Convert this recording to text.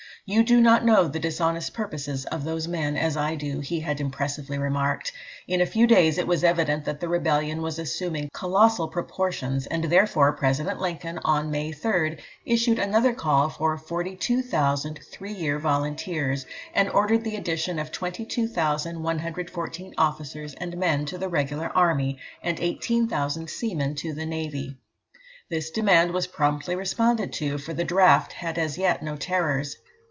"You do not know the dishonest purposes of those men as I do," he had impressively remarked. In a few days, it was evident that the rebellion was assuming colossal proportions, and therefore President Lincoln, on May 3rd, issued another call for 42,000 three year volunteers, and ordered the addition of 22,114 officers and men to the regular army, and 18,000 seamen to the navy. This demand was promptly responded to, for the draft had as yet no terrors.